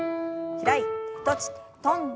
開いて閉じて跳んで。